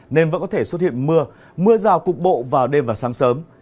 nên vẫn có thể xuất hiện mưa mưa rào cục bộ vào đêm và sáng sớm